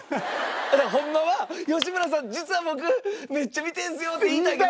ホンマは「吉村さん実は僕めっちゃ見てるんですよ！」って言いたいけど。